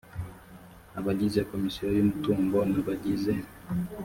abagize komisiyo y umutungo n abagize